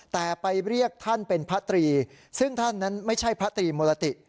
แต่ไปเรียกท่านเป็นพระตรีซึ่งท่านนั้นไม่ใช่พระตรีมุรติ